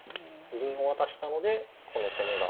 銀を渡したのでこの攻めが。